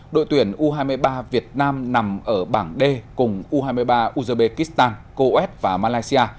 đội tuyển u hai mươi ba việt nam nằm ở bảng d cùng u hai mươi ba uzbekistan kos và malaysia